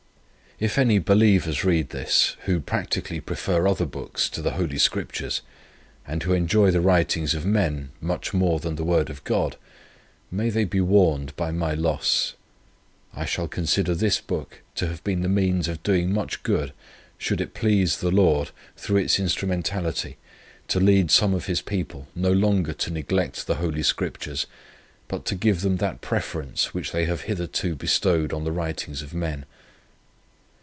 "If any believers read this, who practically prefer other books to the Holy Scriptures, and who enjoy the writings of men much more than the word of God, may they be warned by my loss. I shall consider this book to have been the means of doing much good, should it please the Lord, through its instrumentality, to lead some of His people no longer to neglect the Holy Scriptures, but to give them that preference, which they have hitherto bestowed on the writings of men.